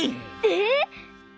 えっ！？